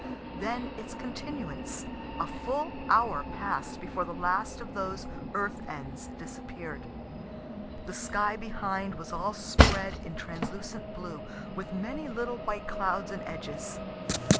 Then its continuance: a full hour pass'd before the last of those earth ends disappear'd. The sky behind was all spread in translucent blue, with many little white clouds and edges.